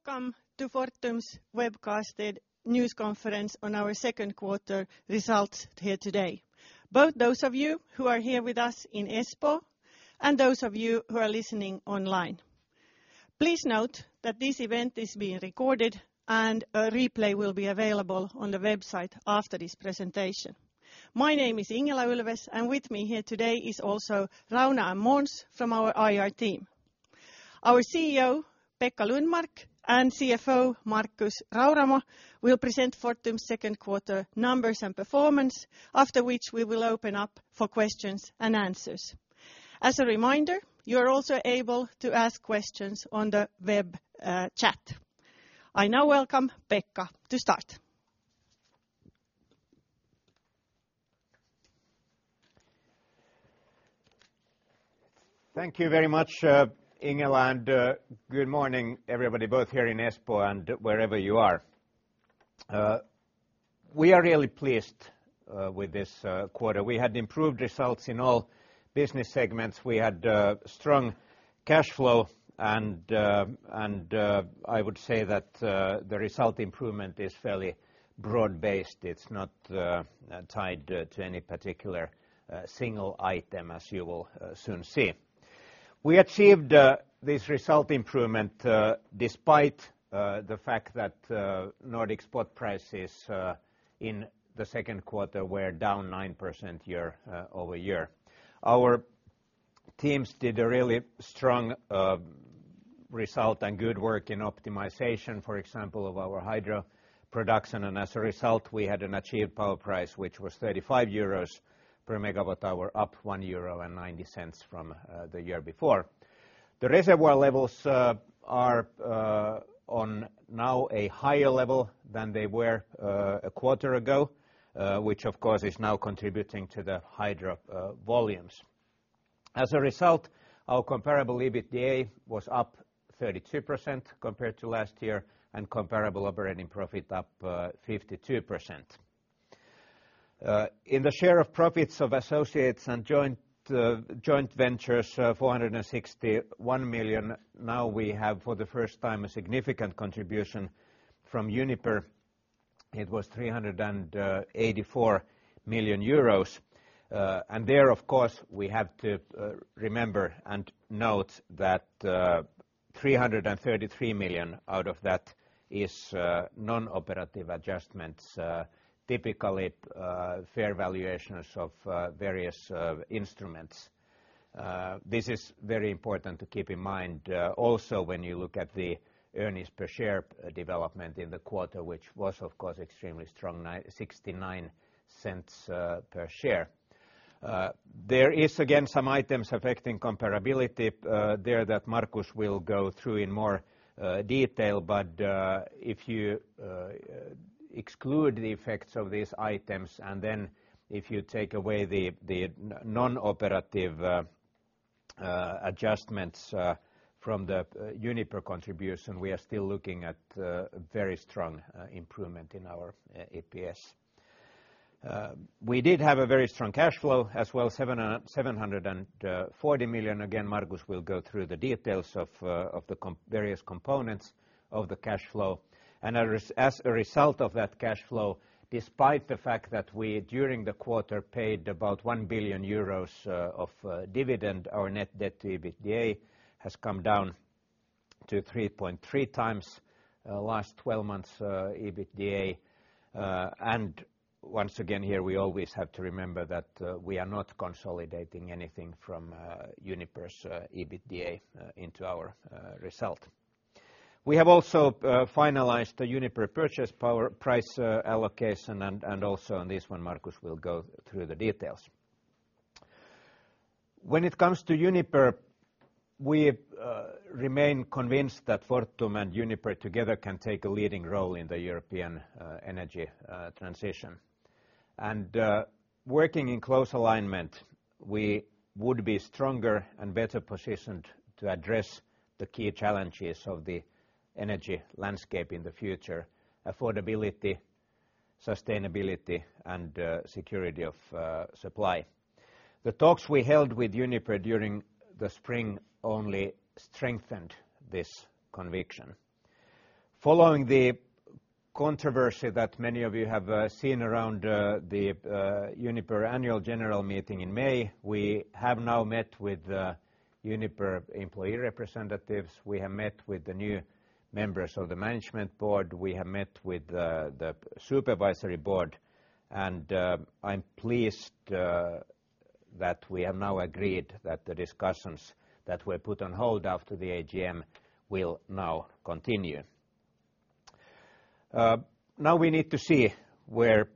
Welcome to Fortum's webcasted News Conference on our Second Quarter Results here today. Both those of you who are here with us in Espoo and those of you who are listening online. Please note that this event is being recorded and a replay will be available on the website after this presentation. My name is Ingela Ulfves, and with me here today is also Rauno and Måns from our IR team. Our CEO, Pekka Lundmark, and CFO, Markus Rauramo, will present Fortum's second quarter numbers and performance, after which we will open up for questions and answers. As a reminder, you are also able to ask questions on the web chat. I now welcome Pekka to start. Thank you very much, Ingela, and good morning, everybody, both here in Espoo and wherever you are. We are really pleased with this quarter. We had improved results in all business segments. We had strong cash flow and I would say that the result improvement is fairly broad-based. It's not tied to any particular single item, as you will soon see. We achieved this result improvement despite the fact that Nordic spot prices in the second quarter were down 9% year-over-year. Our teams did a really strong result and good work in optimization, for example, of our hydro production. As a result, we had an achieved power price, which was 35 euros per MWh, up 1.90 euro from the year before. The reservoir levels are on now a higher level than they were a quarter ago, which, of course, is now contributing to the hydro volumes. As a result, our comparable EBITDA was up 32% compared to last year, and comparable operating profit up 52%. In the share of profits of associates and joint ventures, 461 million. Now we have, for the first time, a significant contribution from Uniper. It was 384 million euros. There, of course, we have to remember and note that 333 million out of that is non-operative adjustments, typically fair valuations of various instruments. This is very important to keep in mind also when you look at the earnings per share development in the quarter, which was, of course, extremely strong, 0.69 per share. There is, again, some items affecting comparability there that Markus will go through in more detail. If you exclude the effects of these items, and then if you take away the non-operative adjustments from the Uniper contribution, we are still looking at very strong improvement in our EPS. We did have a very strong cash flow as well, 740 million. Again, Markus will go through the details of the various components of the cash flow. As a result of that cash flow, despite the fact that we, during the quarter, paid about 1 billion euros of dividend, our net debt to EBITDA has come down to 3.3x last 12 months EBITDA. Once again, here, we always have to remember that we are not consolidating anything from Uniper's EBITDA into our result. We have also finalized the Uniper purchase price allocation, and also on this one, Markus will go through the details. When it comes to Uniper, we remain convinced that Fortum and Uniper together can take a leading role in the European energy transition. Working in close alignment, we would be stronger and better positioned to address the key challenges of the energy landscape in the future: affordability, sustainability, and security of supply. The talks we held with Uniper during the spring only strengthened this conviction. Following the controversy that many of you have seen around the Uniper annual general meeting in May, we have now met with the Uniper employee representatives. We have met with the new members of the management board. We have met with the supervisory board, and I'm pleased that we have now agreed that the discussions that were put on hold after the AGM will now continue. We need to see where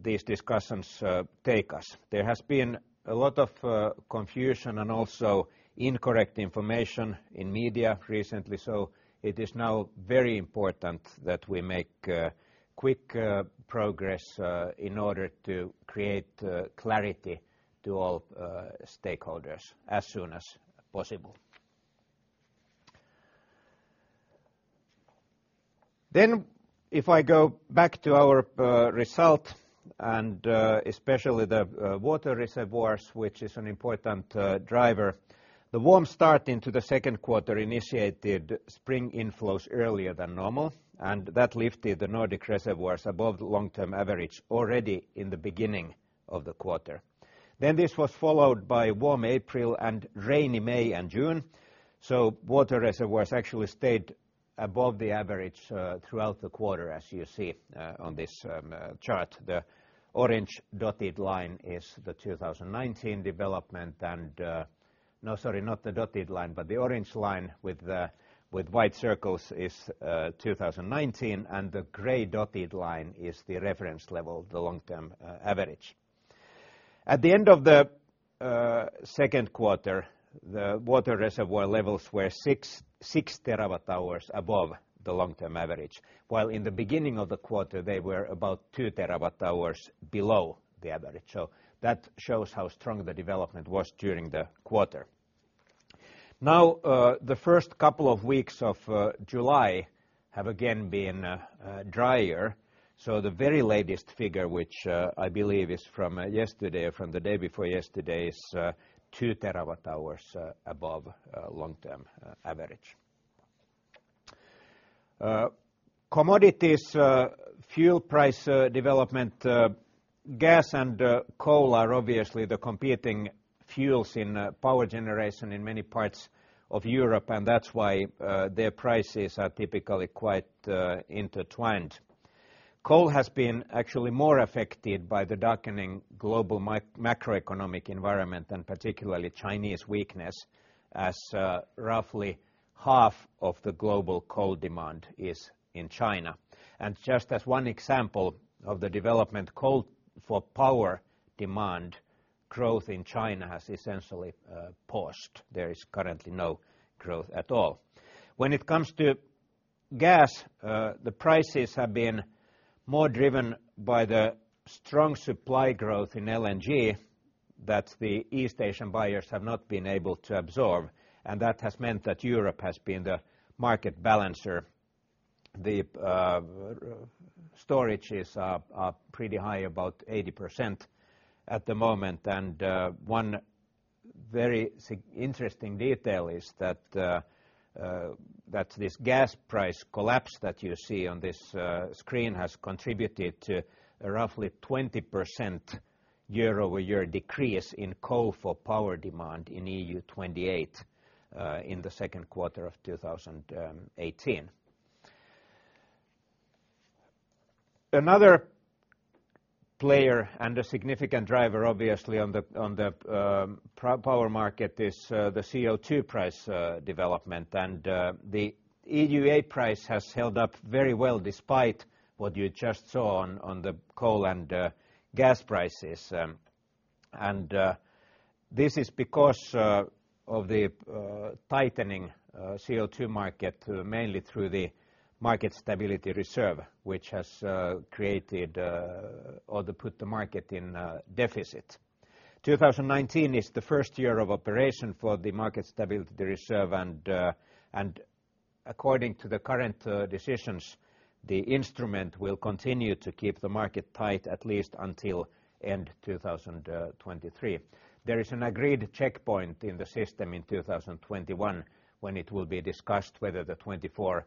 these discussions take us. There has been a lot of confusion and also incorrect information in media recently, it is now very important that we make quick progress in order to create clarity to all stakeholders as soon as possible. If I go back to our result and especially the water reservoirs, which is an important driver, the warm start into the second quarter initiated spring inflows earlier than normal, that lifted the Nordic reservoirs above the long-term average already in the beginning of the quarter. This was followed by warm April and rainy May and June. Water reservoirs actually stayed above the average throughout the quarter, as you see on this chart. The orange dotted line is the 2019 development. No, sorry, not the dotted line, but the orange line with white circles is 2019, and the gray dotted line is the reference level, the long-term average. At the end of the second quarter, the water reservoir levels were 6 TWh above the long-term average, while in the beginning of the quarter, they were about 2 TWh below the average. That shows how strong the development was during the quarter. The first couple of weeks of July have again been drier. The very latest figure, which I believe is from yesterday or from the day before yesterday, is 2 TWh above long-term average. Commodities, fuel price development, gas and coal are obviously the competing fuels in power generation in many parts of Europe, that's why their prices are typically quite intertwined. Coal has been actually more affected by the darkening global macroeconomic environment, particularly Chinese weakness, as roughly half of the global coal demand is in China. Just as one example of the development, coal for power demand growth in China has essentially paused. There is currently no growth at all. When it comes to gas, the prices have been more driven by the strong supply growth in LNG that the East Asian buyers have not been able to absorb, that has meant that Europe has been the market balancer. The storage is pretty high, about 80% at the moment, one very interesting detail is that this gas price collapse that you see on this screen has contributed to a roughly 20% year-over-year decrease in coal for power demand in EU-28 in the second quarter of 2018. Another player and a significant driver, obviously, on the power market is the CO2 price development. The EUA price has held up very well despite what you just saw on the coal and gas prices. This is because of the tightening CO2 market, mainly through the Market Stability Reserve, which has put the market in deficit. 2019 is the first year of operation for the Market Stability Reserve, and according to the current decisions, the instrument will continue to keep the market tight at least until end 2023. There is an agreed checkpoint in the system in 2021 when it will be discussed whether the 24%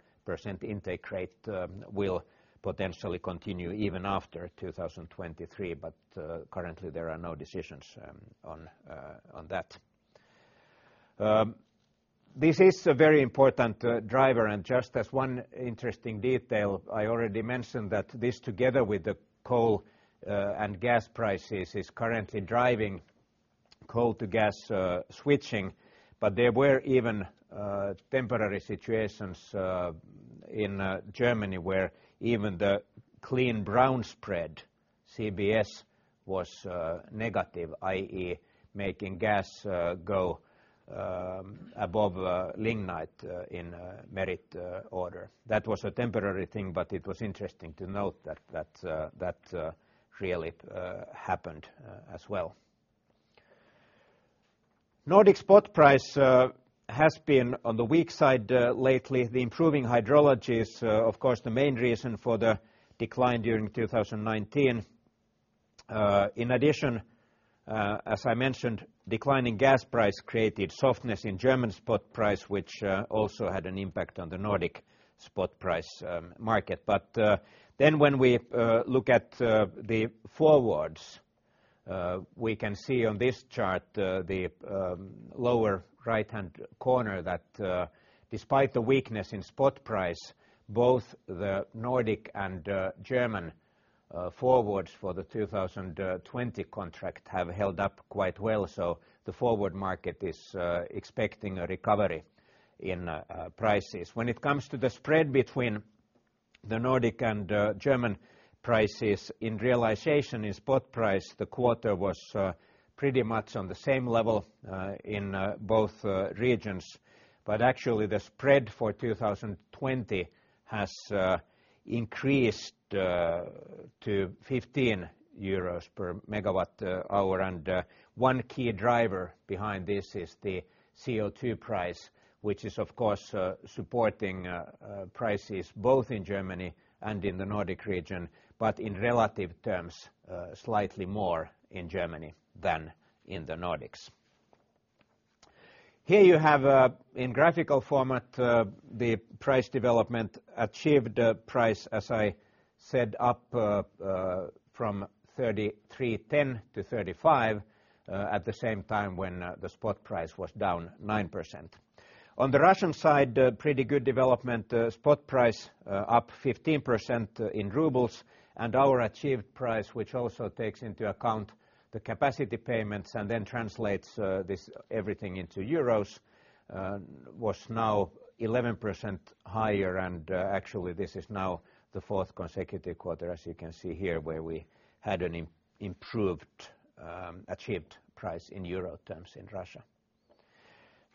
intake rate will potentially continue even after 2023, but currently there are no decisions on that. This is a very important driver. Just as one interesting detail, I already mentioned that this, together with the coal and gas prices, is currently driving coal to gas switching. There were even temporary situations in Germany where even the clean brown spread, CBS, was negative, i.e., making gas go above lignite in merit order. That was a temporary thing, but it was interesting to note that really happened as well. Nordic spot price has been on the weak side lately. The improving hydrology is, of course, the main reason for the decline during 2019. In addition, as I mentioned, declining gas price created softness in German spot price, which also had an impact on the Nordic spot price market. When we look at the forwards, we can see on this chart, the lower right-hand corner, that despite the weakness in spot price, both the Nordic and German forwards for the 2020 contract have held up quite well. The forward market is expecting a recovery in prices. When it comes to the spread between the Nordic and German prices in realization in spot price, the quarter was pretty much on the same level in both regions. Actually, the spread for 2020 has increased to 15 euros per megawatt hour. One key driver behind this is the CO2 price, which is, of course, supporting prices both in Germany and in the Nordic region, but in relative terms, slightly more in Germany than in the Nordics. Here you have, in graphical format, the price development achieved. Price, as I said, up from 33.10 to 35, at the same time when the spot price was down 9%. On the Russian side, pretty good development. Spot price up 15% in rubles, and our achieved price, which also takes into account the capacity payments and then translates everything into EUR, was now 11% higher. Actually, this is now the fourth consecutive quarter, as you can see here, where we had an improved achieved price in EUR terms in Russia.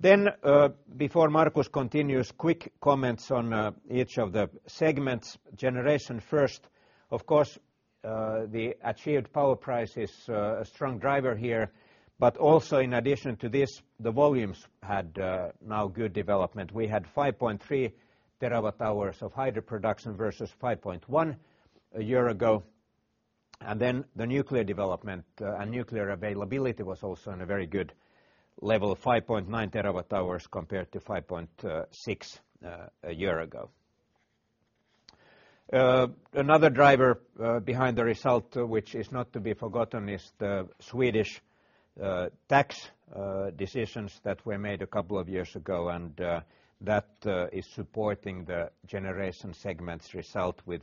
Before Markus continues, quick comments on each of the segments. Generation first, of course, the achieved power price is a strong driver here, but also in addition to this, the volumes had now good development. We had 5.3 TWh of hydro production versus 5.1 a year ago. The nuclear development and nuclear availability was also in a very good level of 5.9 TWh compared to 5.6 TWh a year ago. Another driver behind the result, which is not to be forgotten is the Swedish tax decisions that were made a couple of years ago, and that is supporting the Generation segment's result with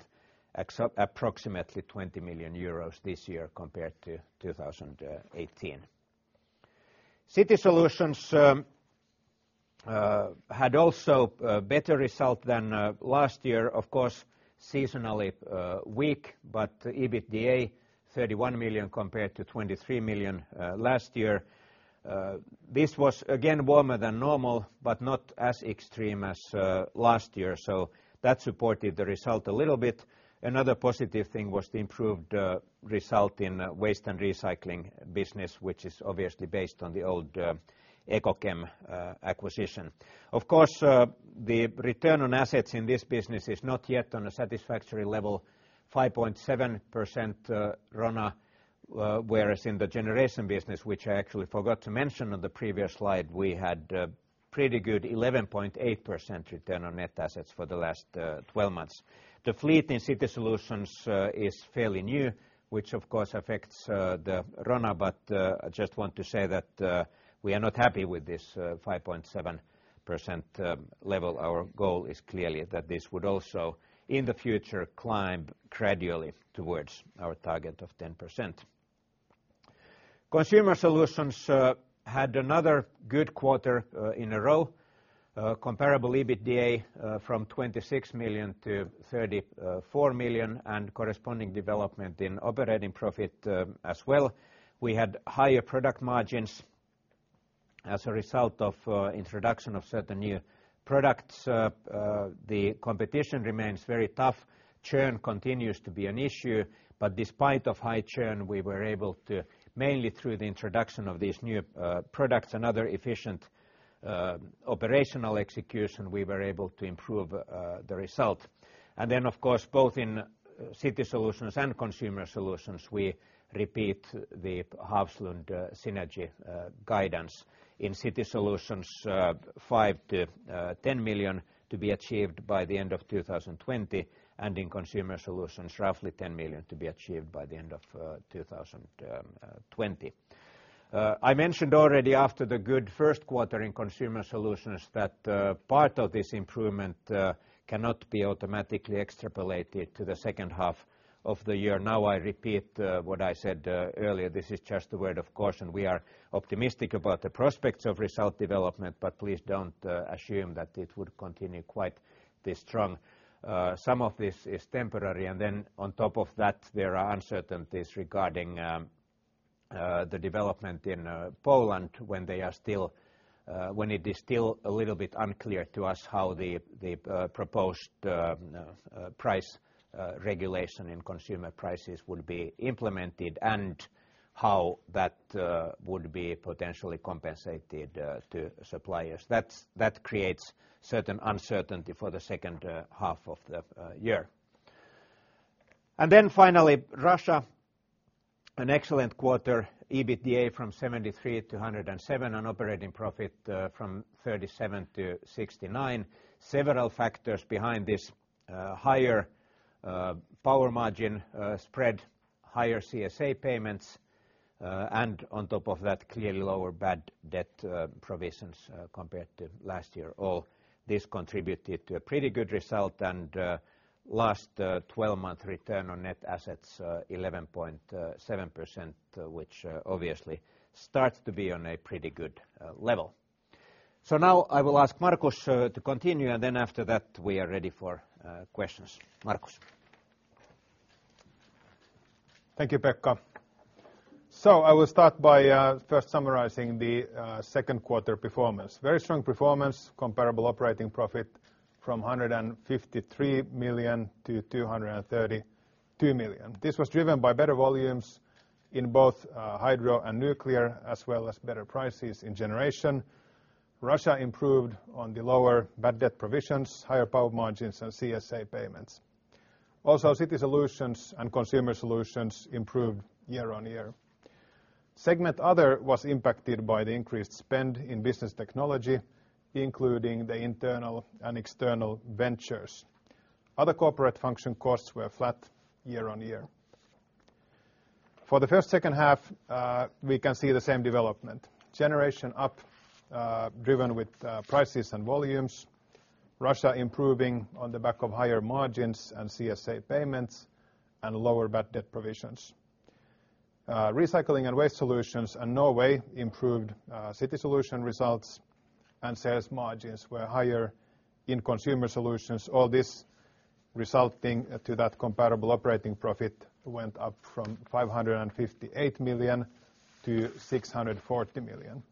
approximately 20 million euros this year compared to 2018. City Solutions had also a better result than last year, of course, seasonally weak, but EBITDA 31 million compared to 23 million last year. This was again warmer than normal, but not as extreme as last year. So that supported the result a little bit. Another positive thing was the improved result in Recycling and Waste Solutions business, which is obviously based on the old Ekokem acquisition. Of course, the return on assets in this business is not yet on a satisfactory level, 5.7% RONA, whereas in the Generation business, which I actually forgot to mention on the previous slide, we had pretty good 11.8% return on net assets for the last 12 months. The fleet in City Solutions is fairly new, which of course affects the RONA, but I just want to say that we are not happy with this 5.7% level. Our goal is clearly that this would also, in the future, climb gradually towards our target of 10%. Consumer Solutions had another good quarter in a row, comparable EBITDA from 26 million to 34 million, and corresponding development in operating profit as well. We had higher product margins as a result of introduction of certain new products. The competition remains very tough. Churn continues to be an issue, but despite of high churn, we were able to, mainly through the introduction of these new products and other efficient operational execution, we were able to improve the result. Of course, both in City Solutions and Consumer Solutions, we repeat the Hafslund synergy guidance. In City Solutions, 5 million-10 million to be achieved by the end of 2020, and in Consumer Solutions, roughly 10 million to be achieved by the end of 2020. I mentioned already after the good first quarter in Consumer Solutions that part of this improvement cannot be automatically extrapolated to the second half of the year. I repeat what I said earlier, this is just a word of caution. We are optimistic about the prospects of result development, please don't assume that it would continue quite this strong. Some of this is temporary, on top of that, there are uncertainties regarding the development in Poland when it is still a little bit unclear to us how the proposed price regulation in consumer prices will be implemented and how that would be potentially compensated to suppliers. That creates certain uncertainty for the second half of the year. Finally, Russia, an excellent quarter, EBITDA from 73 million to 107 million, and operating profit from 37 million to 69 million. Several factors behind this higher power margin spread, higher CSA payments, on top of that, clearly lower bad debt provisions compared to last year. All this contributed to a pretty good result and last 12-month return on net assets, 11.7%, which obviously starts to be on a pretty good level. I will ask Markus to continue, after that, we are ready for questions. Markus. Thank you, Pekka. I will start by first summarizing the second quarter performance. Very strong performance, comparable operating profit from 153 million to 232 million. This was driven by better volumes in both hydro and nuclear, as well as better prices in Generation. Russia improved on the lower bad debt provisions, higher power margins, and CSA payments. City Solutions and Consumer Solutions improved year-on-year. Segment Other was impacted by the increased spend in business technology, including the internal and external ventures. Other corporate function costs were flat year-on-year. For the first second half, we can see the same development. Generation up, driven with prices and volumes, Russia improving on the back of higher margins and CSA payments, and lower bad debt provisions. Recycling and Waste Solutions and Norway improved City Solutions results, and sales margins were higher in Consumer Solutions, all this resulting to that comparable operating profit went up from 558 million to 640 million.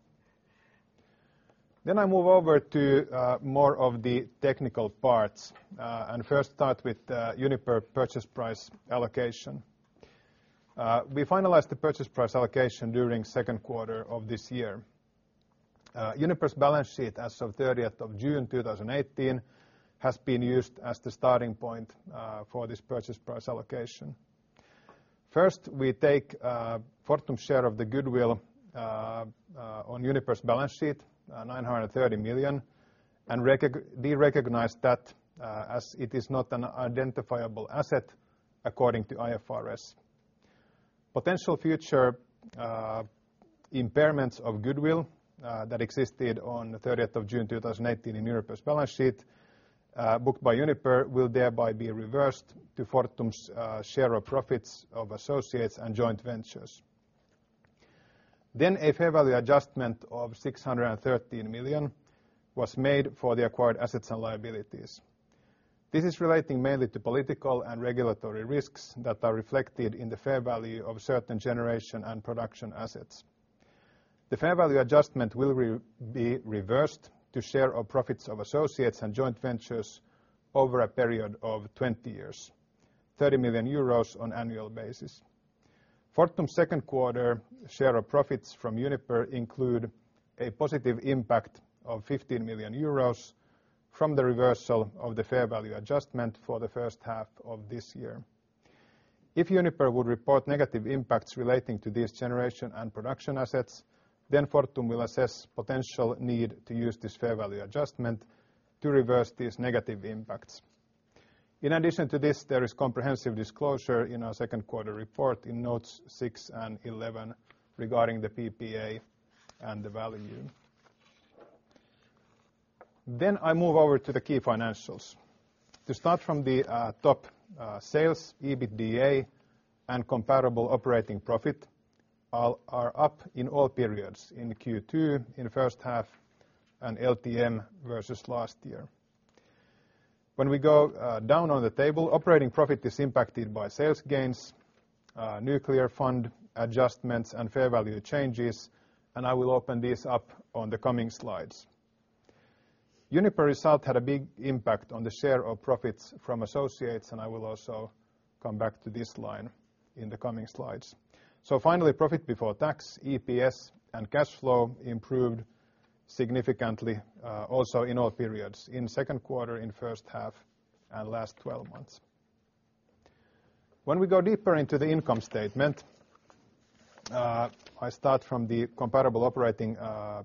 I move over to more of the technical parts, and first start with Uniper purchase price allocation. We finalized the purchase price allocation during second quarter of this year. Uniper's balance sheet as of 30th of June 2018 has been used as the starting point for this purchase price allocation. First, we take Fortum's share of the goodwill on Uniper's balance sheet, 930 million, and derecognize that as it is not an identifiable asset according to IFRS. Potential future impairments of goodwill that existed on the 30th of June 2018 in Uniper's balance sheet, booked by Uniper, will thereby be reversed to Fortum's share of profits of associates and joint ventures. A fair value adjustment of 613 million was made for the acquired assets and liabilities. This is relating mainly to political and regulatory risks that are reflected in the fair value of certain generation and production assets. The fair value adjustment will be reversed to share of profits of associates and joint ventures over a period of 20 years, 30 million euros on annual basis. Fortum's second quarter share of profits from Uniper include a positive impact of 15 million euros from the reversal of the fair value adjustment for the first half of this year. If Uniper would report negative impacts relating to these generation and production assets, Fortum will assess potential need to use this fair value adjustment to reverse these negative impacts. In addition to this, there is comprehensive disclosure in our second quarter report in notes six and 11 regarding the PPA and the value. I move over to the key financials. To start from the top, sales, EBITDA, and comparable operating profit are up in all periods in Q2, in first half, and LTM versus last year. We go down on the table, operating profit is impacted by sales gains, nuclear fund adjustments, and fair value changes, and I will open these up on the coming slides. Uniper result had a big impact on the share of profits from associates, and I will also come back to this line in the coming slides. Finally, profit before tax, EPS, and cash flow improved significantly, also in all periods, in second quarter, in first half, and last 12 months. We go deeper into the income statement. I start from the comparable operating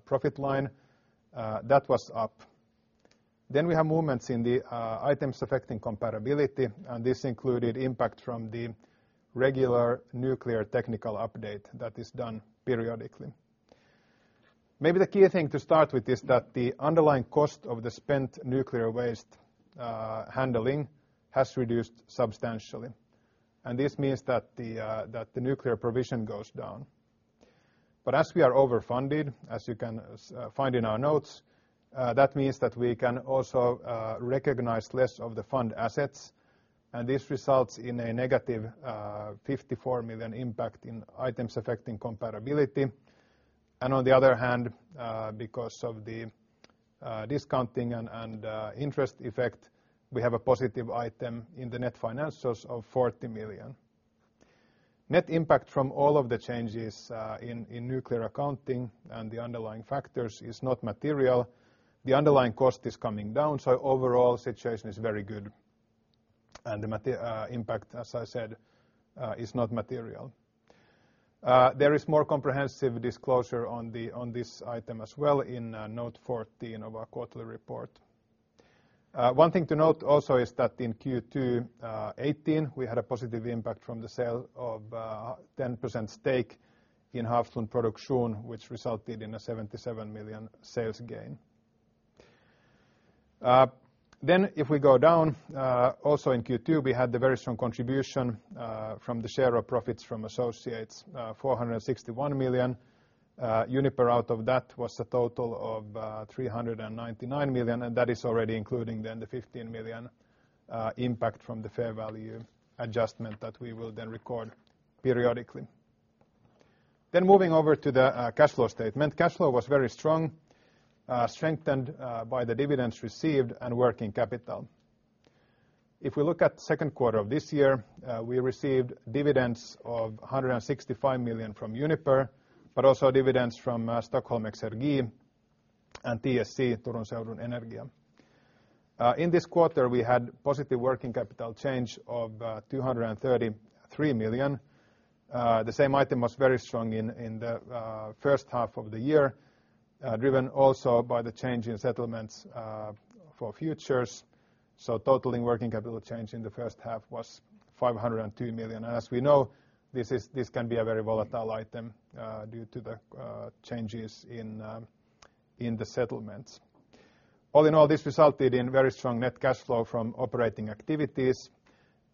profit line. That was up. We have movements in the items affecting comparability. This included impact from the regular nuclear technical update that is done periodically. Maybe the key thing to start with is that the underlying cost of the spent nuclear waste handling has reduced substantially. This means that the nuclear provision goes down. As we are overfunded, as you can find in our notes, that means that we can also recognize less of the fund assets. This results in a negative 54 million impact in items affecting comparability. On the other hand, because of the discounting and interest effect, we have a positive item in the net financials of 40 million. Net impact from all of the changes in nuclear accounting and the underlying factors is not material. The underlying cost is coming down. Overall situation is very good. The impact, as I said, is not material. There is more comprehensive disclosure on this item as well in note 14 of our quarterly report. One thing to note also is that in Q2 2018, we had a positive impact from the sale of 10% stake in Hafslund Produksjon, which resulted in a 77 million sales gain. If we go down, also in Q2, we had the very strong contribution from the share of profits from associates, 461 million. Uniper out of that was a total of 399 million. That is already including then the 15 million impact from the fair value adjustment that we will then record periodically. Moving over to the cash flow statement. Cash flow was very strong, strengthened by the dividends received and working capital. If we look at second quarter of this year, we received dividends of 165 million from Uniper, but also dividends from Stockholm Exergi and TSE, Turun Seudun Energiantuotanto. In this quarter, we had positive working capital change of 233 million. The same item was very strong in the first half of the year, driven also by the change in settlements for futures. Total working capital change in the first half was 502 million. As we know, this can be a very volatile item due to the changes in the settlements. All in all, this resulted in very strong net cash flow from operating activities.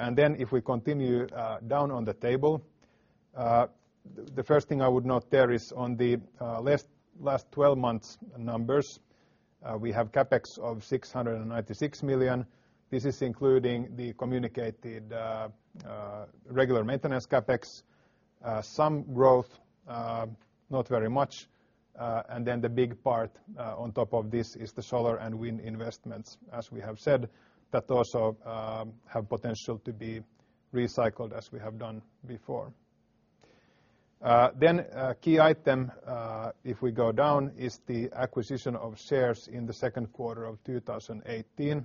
If we continue down on the table, the first thing I would note there is on the last 12 months numbers, we have CapEx of 696 million. This is including the communicated regular maintenance CapEx. Some growth, not very much. The big part on top of this is the solar and wind investments, as we have said, that also have potential to be recycled as we have done before. Key item, if we go down, is the acquisition of shares in the second quarter of 2018.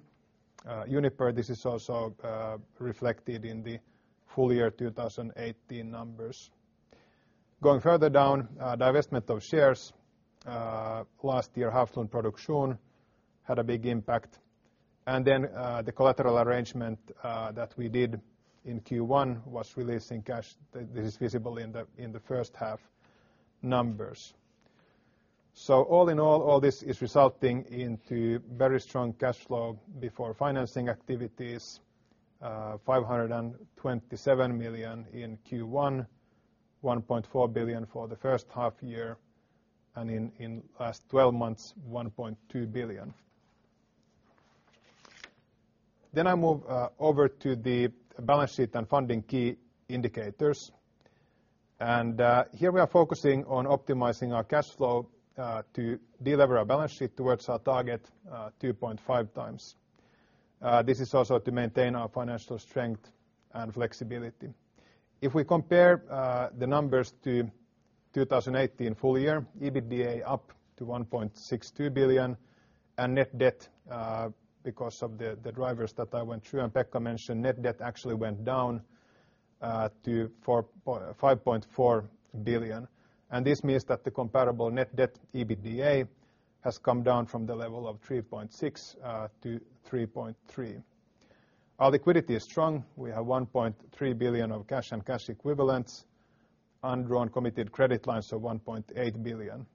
Uniper, this is also reflected in the full year 2018 numbers. Going further down, divestment of shares. Last year, Hafslund Produksjon had a big impact. The collateral arrangement that we did in Q1 was released in cash that is visible in the first half numbers. All in all this is resulting into very strong cash flow before financing activities. 527 million in Q1, 1.4 billion for the first half year, in last 12 months, 1.2 billion. I move over to the balance sheet and funding key indicators. Here we are focusing on optimizing our cash flow to delever our balance sheet towards our target, 2.5x. This is also to maintain our financial strength and flexibility. If we compare the numbers to 2018 full year, EBITDA up to 1.62 billion and net debt, because of the drivers that I went through and Pekka mentioned, net debt actually went down to 5.4 billion. This means that the comparable net debt EBITDA has come down from the level of 3.6x to 3.3x. Our liquidity is strong. We have 1.3 billion of cash and cash equivalents, undrawn committed credit lines of 1.8 billion.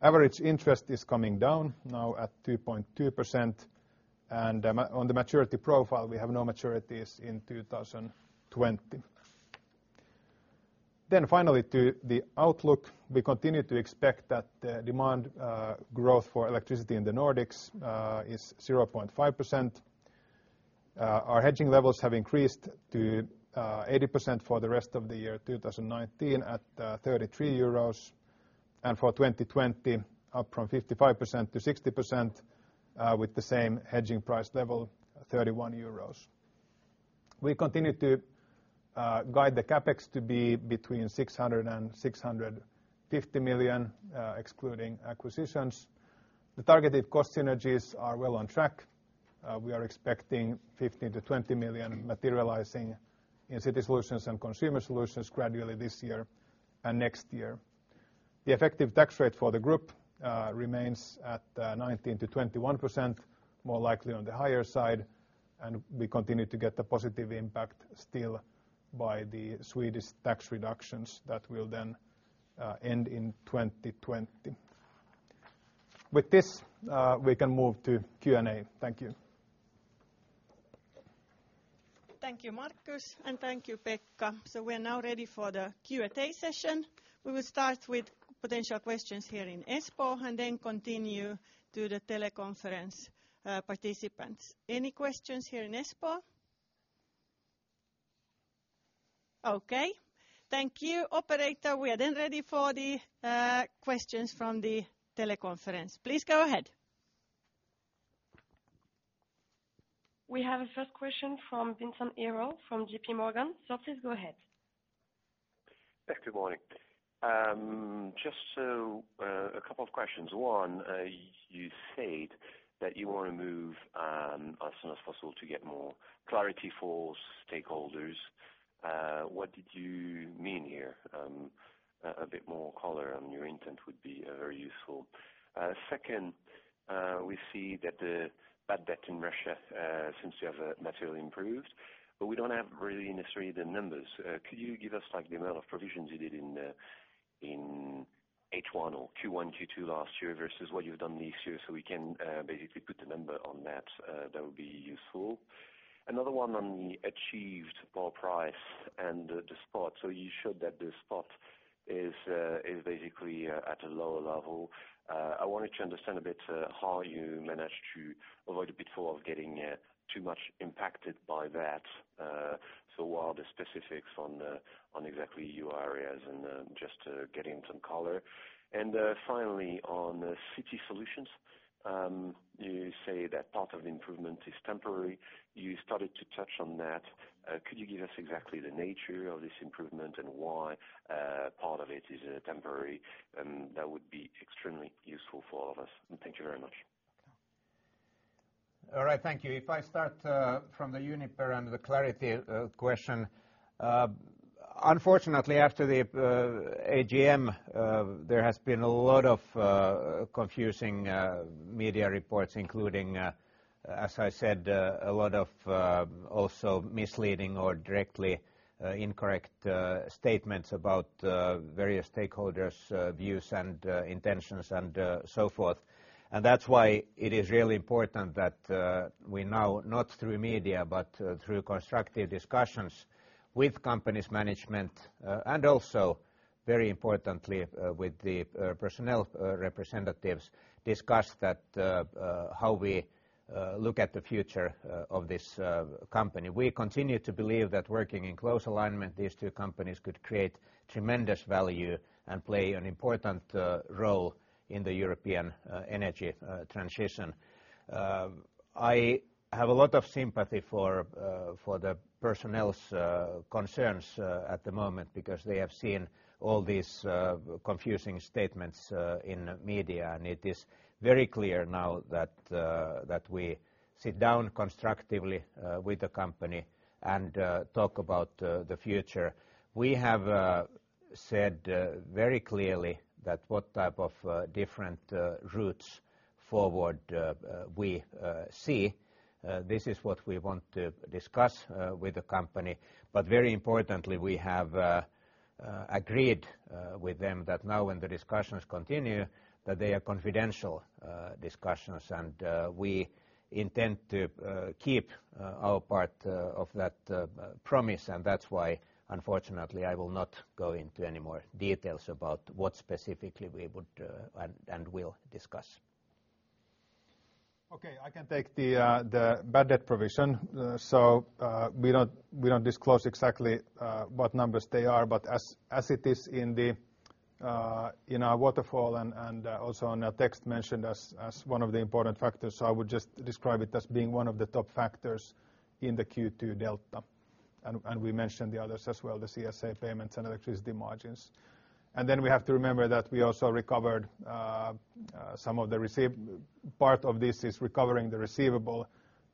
Average interest is coming down now at 2.2%, and on the maturity profile, we have no maturities in 2020. Finally, to the outlook, we continue to expect that the demand growth for electricity in the Nordics is 0.5%. Our hedging levels have increased to 80% for the rest of the year 2019 at 33 euros, and for 2020 up from 55% to 60% with the same hedging price level, 31 euros. We continue to guide the CapEx to be between 600 million and 650 million, excluding acquisitions. The targeted cost synergies are well on track. We are expecting 15 million-20 million materializing in City Solutions and Consumer Solutions gradually this year and next year. The effective tax rate for the group remains at 19%-21%, more likely on the higher side, and we continue to get the positive impact still by the Swedish tax reductions that will then end in 2020. With this, we can move to Q&A. Thank you. Thank you, Markus, and thank you, Pekka. We're now ready for the Q&A session. We will start with potential questions here in Espoo and continue to the teleconference participants. Any questions here in Espoo? Okay. Thank you. Operator, we are ready for the questions from the teleconference. Please go ahead. We have a first question from Vincent Ayral from JPMorgan. Please go ahead. Pekka, good morning. Just a couple of questions. One, you said that you want to move as soon as possible to get more clarity for stakeholders. What did you mean here? A bit more color on your intent would be very useful. Second, we see that the bad debt in Russia seems to have materially improved, but we don't have really necessarily the numbers. Could you give us the amount of provisions you did in H1 or Q1, Q2 last year versus what you've done this year so we can basically put the number on that? That would be useful. Another one on the achieved power price and the spot. You showed that the spot is basically at a lower level. I wanted to understand a bit how you managed to avoid a bit of getting too much impacted by that. What are the specifics on exactly your areas, and just getting some color. Finally, on City Solutions. You say that part of the improvement is temporary. You started to touch on that. Could you give us exactly the nature of this improvement and why part of it is temporary? That would be extremely useful for all of us. Thank you very much. All right. Thank you. If I start from the Uniper and the clarity question. Unfortunately, after the AGM, there has been a lot of confusing media reports, including, as I said, a lot of also misleading or directly incorrect statements about various stakeholders' views and intentions and so forth. That's why it is really important that we now, not through media, but through constructive discussions with company's management, and also, very importantly, with the personnel representatives, discuss how we look at the future of this company. We continue to believe that working in close alignment, these two companies could create tremendous value and play an important role in the European energy transition. I have a lot of sympathy for the personnel's concerns at the moment because they have seen all these confusing statements in media, and it is very clear now that we sit down constructively with the company and talk about the future. We have said very clearly that what type of different routes forward we see. This is what we want to discuss with the company. Very importantly, we have agreed with them that now when the discussions continue, that they are confidential discussions, and we intend to keep our part of that promise, and that's why, unfortunately, I will not go into any more details about what specifically we would and will discuss. I can take the bad debt provision. We don't disclose exactly what numbers they are, but as it is in our waterfall and also in our text mentioned as one of the important factors. I would just describe it as being one of the top factors in the Q2 delta. We mentioned the others as well, the CSA payments and electricity margins. We have to remember that we also recovered some of the receivable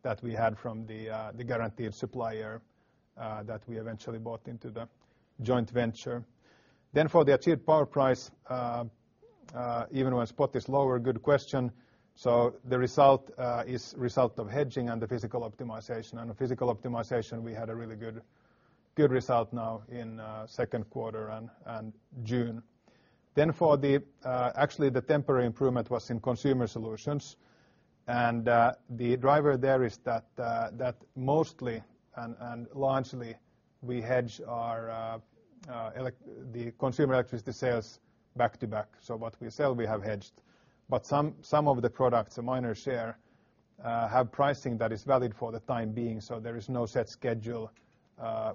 that we had from the guaranteed supplier that we eventually bought into the joint venture. For the achieved power price even when spot is lower, good question. The result is result of hedging and the physical optimization. The physical optimization, we had a really good result now in second quarter and June. For the actually the temporary improvement was in Consumer Solutions, the driver there is that mostly and largely we hedge the consumer electricity sales back-to-back. What we sell, we have hedged. Some of the products, a minor share, have pricing that is valid for the time being. There is no set schedule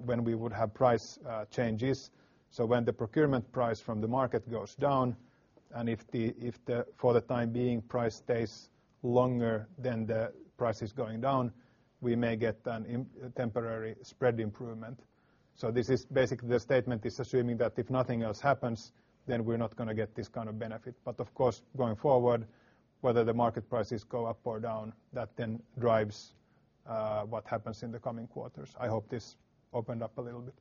when we would have price changes. When the procurement price from the market goes down, if for the time being price stays longer than the price is going down, we may get a temporary spread improvement. This is basically the statement is assuming that if nothing else happens, then we're not going to get this kind of benefit. Of course, going forward, whether the market prices go up or down, that then drives what happens in the coming quarters. I hope this opened up a little bit.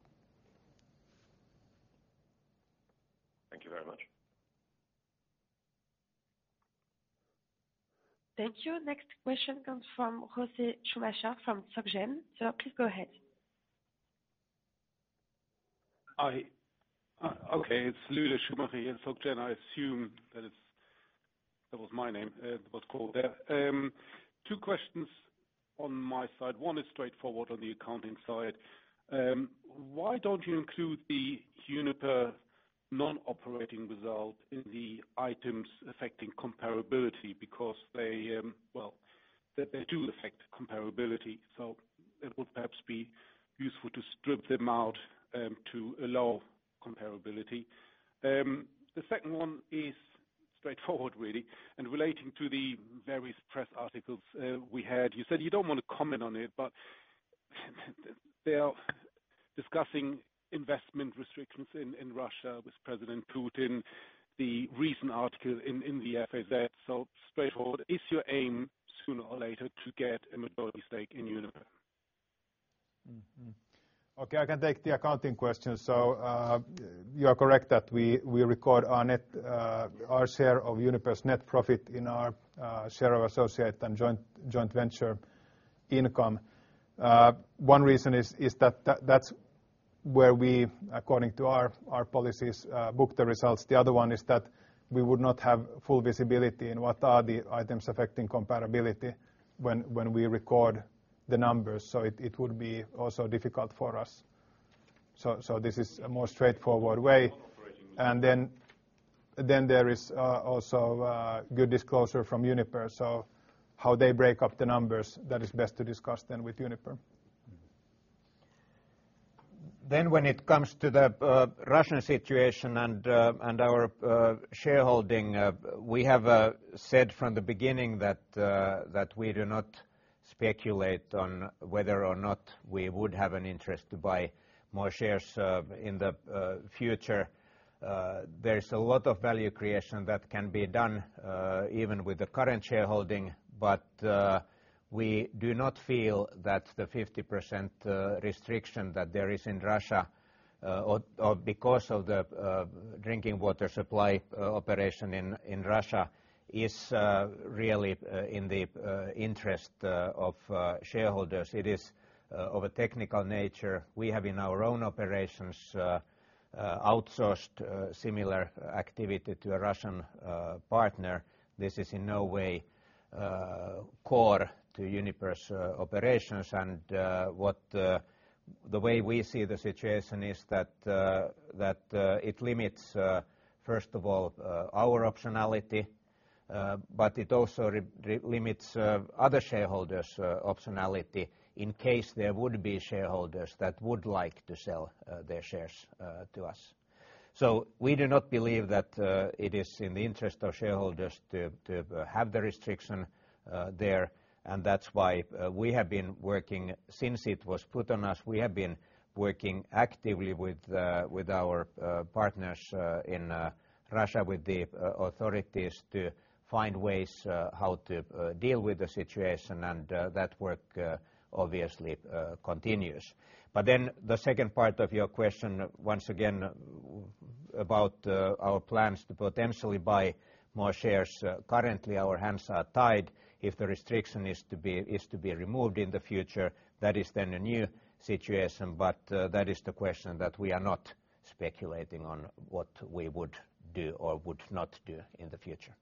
Thank you very much. Thank you. Next question comes from Lueder Schumacher from SocGen. Please go ahead. Okay. It's Lueder Schumacher here from SocGen. I assume that was my name that was called there. Two questions on my side. One is straightforward on the accounting side. Why don't you include the Uniper non-operating result in the items affecting comparability because they do affect comparability, so it would perhaps be useful to strip them out to allow comparability. The second one is straightforward, really, and relating to the various press articles we had. You said you don't want to comment on it, but they are discussing investment restrictions in Russia with President Putin, the recent article in the FAZ. Straightforward, is your aim, sooner or later, to get a majority stake in Uniper? Okay, I can take the accounting question. You are correct that we record our share of Uniper's net profit in our share of associate and joint venture income. One reason is that that's where we, according to our policies, book the results. The other one is that we would not have full visibility in what are the items affecting comparability when we record the numbers. It would be also difficult for us. This is a more straightforward way. There is also a good disclosure from Uniper. How they break up the numbers, that is best to discuss then with Uniper. When it comes to the Russian situation and our shareholding, we have said from the beginning that we do not speculate on whether or not we would have an interest to buy more shares in the future. There is a lot of value creation that can be done even with the current shareholding, but we do not feel that the 50% restriction that there is in Russia or because of the drinking water supply operation in Russia is really in the interest of shareholders. It is of a technical nature. We have, in our own operations, outsourced similar activity to a Russian partner. This is in no way core to Uniper's operations. The way we see the situation is that it limits, first of all, our optionality, but it also limits other shareholders' optionality in case there would be shareholders that would like to sell their shares to us. We do not believe that it is in the interest of shareholders to have the restriction there, that's why we have been working, since it was put on us, we have been working actively with our partners in Russia, with the authorities to find ways how to deal with the situation, that work obviously continues. The second part of your question, once again, about our plans to potentially buy more shares. Currently, our hands are tied. If the restriction is to be removed in the future, that is then a new situation. That is the question that we are not speculating on what we would do or would not do in the future.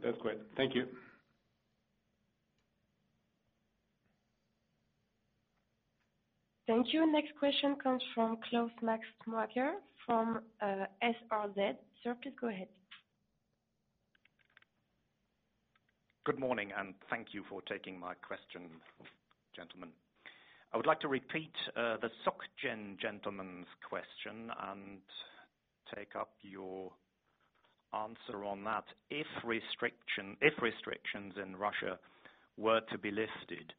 That's great. Thank you. Thank you. Next question comes from Claus Max Marker from SRZ. Sir, please go ahead. Good morning. Thank you for taking my question, gentlemen. I would like to repeat the SocGen gentleman's question and take up your answer on that. If restrictions in Russia were to be lifted,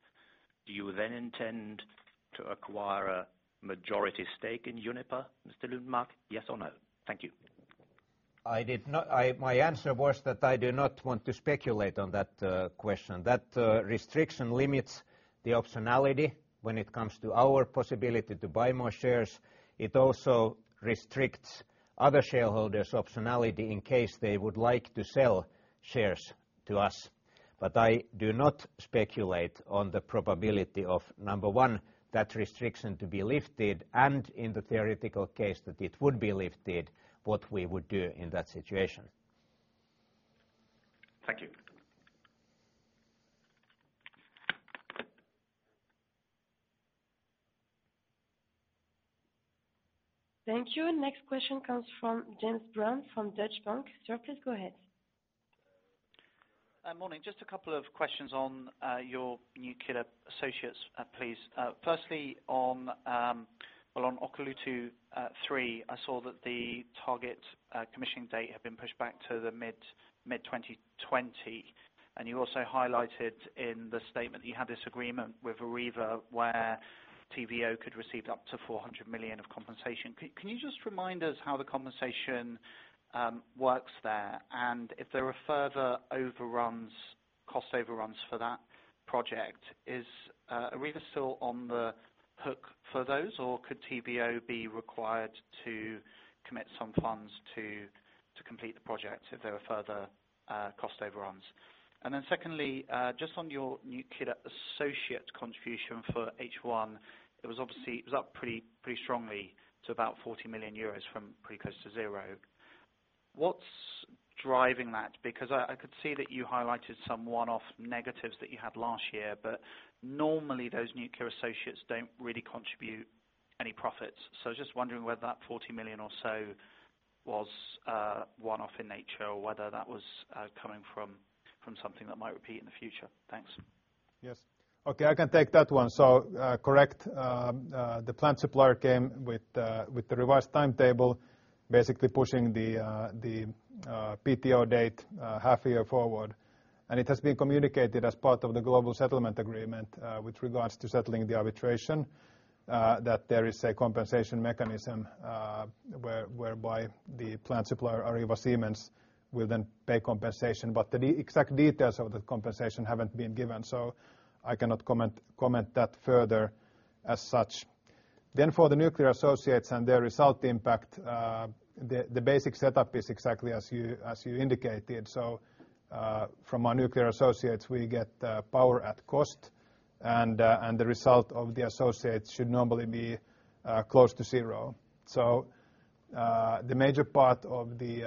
do you then intend to acquire a majority stake in Uniper, Mr. Lundmark? Yes or no? Thank you. My answer was that I do not want to speculate on that question. That restriction limits the optionality when it comes to our possibility to buy more shares. It also restricts other shareholders' optionality in case they would like to sell shares to us. I do not speculate on the probability of, number one, that restriction to be lifted and in the theoretical case that it would be lifted, what we would do in that situation. Thank you. Thank you. Next question comes from James Brand, from Deutsche Bank. Sir, please go ahead. Morning. Just a couple of questions on your nuclear associates, please. Firstly, on Olkiluoto 3, I saw that the target commissioning date had been pushed back to the mid-2020. You also highlighted in the statement that you had this agreement with Areva where TVO could receive up to 400 million of compensation. Can you just remind us how the compensation works there? If there are further overruns, cost overruns for that project, is Areva still on the hook for those, or could TVO be required to commit some funds to complete the project if there are further cost overruns? Then secondly, just on your nuclear associate contribution for H1, it was up pretty strongly to about 40 million euros from pretty close to zero. What's driving that? I could see that you highlighted some one-off negatives that you had last year, normally those nuclear associates don't really contribute any profits. I was just wondering whether that 40 million or so was one-off in nature or whether that was coming from something that might repeat in the future. Thanks. Yes. Okay, I can take that one. Correct, the plant supplier came with the revised timetable, basically pushing the PTO date half year forward. It has been communicated as part of the global settlement agreement, with regards to settling the arbitration, that there is a compensation mechanism, whereby the plant supplier, Areva Siemens, will then pay compensation. The exact details of the compensation haven't been given, so I cannot comment that further as such. For the nuclear associates and their result impact, the basic setup is exactly as you indicated. From our nuclear associates, we get power at cost, and the result of the associates should normally be close to zero. The major part of the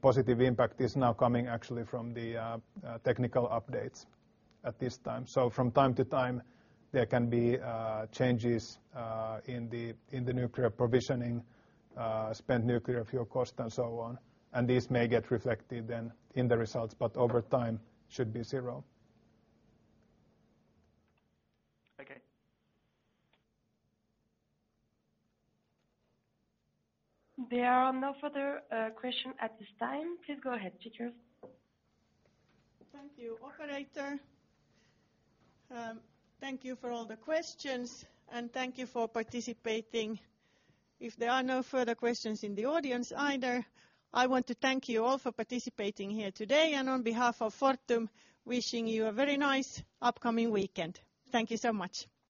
positive impact is now coming actually from the technical updates at this time. From time to time, there can be changes in the nuclear provisioning, spent nuclear fuel cost and so on. These may get reflected then in the results, over time should be zero. Okay. There are no further question at this time. Please go ahead, Pekka. Thank you, operator. Thank you for all the questions, and thank you for participating. If there are no further questions in the audience either, I want to thank you all for participating here today, and on behalf of Fortum, wishing you a very nice upcoming weekend. Thank you so much.